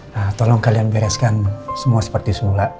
nah tolong kalian bereskan semua seperti sula